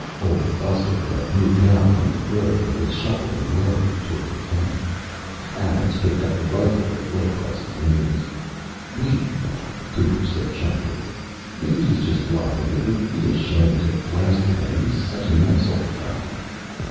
Old Buster had moved out from the grove and was shuffling warily toward the camp. Adams picked up the rifle that lay across his knees. "Wait," said Cooper sharply. "Maybe he's just bluffing. It would be a shame to plaster him; he's such a nice old guy."